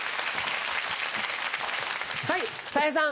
はいたい平さん。